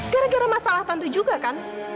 gara gara masalah tantu juga kan